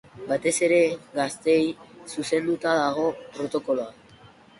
Batez ere, gazteei zuzenduta dago protokoloa.